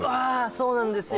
そうなんですよ。